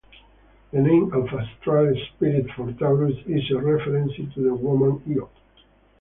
The name of astral spirit for Taurus is a reference to the woman Io.